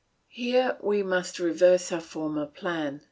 Here we must just reverse our former plan.